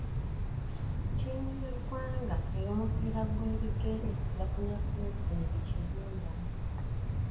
Ttiimu y'eggwanga ey'omupiira ogw'ebigere yafunye pulezidenti kye yeeyama.